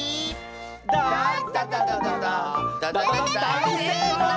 だいせいこう！